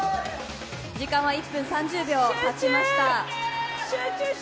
時間は１分３０秒たちました。